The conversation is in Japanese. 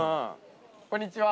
こんにちは。